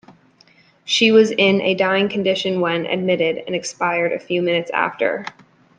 She was in a dying condition when, admitted, and expired a few minutes afterwards.